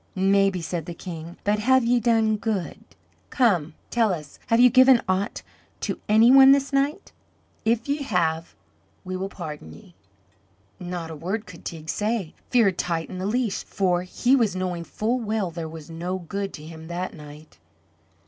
"Maybe," said the King; "but have ye done good? Come, tell us, have ye given aught to any one this night? If ye have, we will pardon ye." Not a word could Teig say fear tightened the leash for he was knowing full well there was no good to him that night.